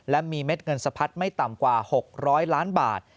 และมีเม็ดเงินสะพัดไม่ต่ำกว่า๖๐๐ล้านบาท